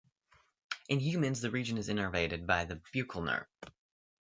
In humans, the region is innervated by the buccal nerve.